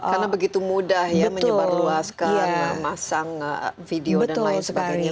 karena begitu mudah ya menyebarluaskan masang video dan lain sebagainya